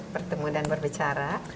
bertemu dan berbicara